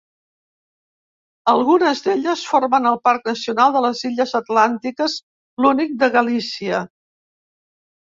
Algunes d'elles formen el Parc Nacional de les Illes Atlàntiques, l'únic de Galícia.